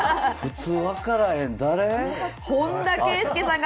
普通わからへん。